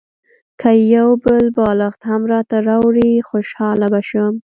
که یو بل بالښت هم راته راوړې خوشاله به شم.